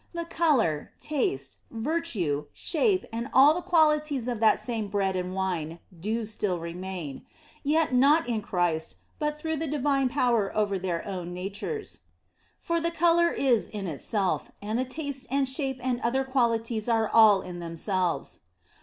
The colour, taste, virtue, shape, and all the qualities of that same bread and wine do still remain ; yet not in Christ, but through the divine power over their own natures. For the colour is in itself, and the taste and shape and other qualities are all in themselves.